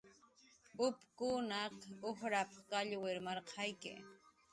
"upkunaq ujrap"" kallwir marqayki"